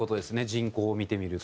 人口を見てみると。